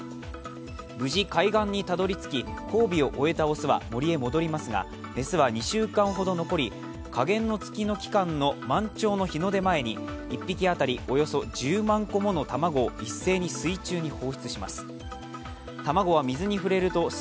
無事、海岸にたどりつき、交尾を終えた雄は森へ戻りますが、雌は２週間ほど残り、下弦の月の期間の満潮の日の出前に１匹当たりおよそ１０万個もの卵を一斉に水中に放出します。